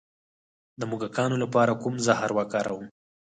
د موږکانو لپاره کوم زهر وکاروم؟